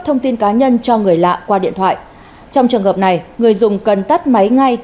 thông tin cá nhân cho người lạ qua điện thoại trong trường hợp này người dùng cần tắt máy ngay